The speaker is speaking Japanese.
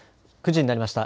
９時になりました。